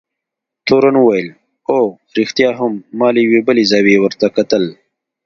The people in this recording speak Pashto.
تورن وویل: اوه، رښتیا هم، ما له یوې بلې زاویې ورته کتل.